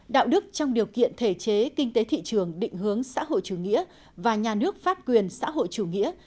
đạo đức trong điều kiện thể chế kinh tế thị trường định hướng xã hội chủ nghĩa và nhà nước pháp quyền xã hội chủ nghĩa